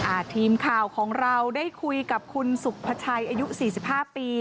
อ่าทีมข่าวของเราได้คุยกับคุณสุภาชัยอายุสี่สิบห้าปี